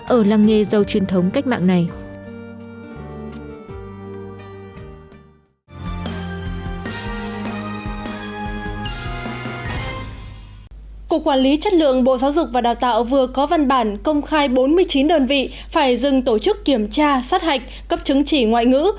ở làng nghề giàu truyền thống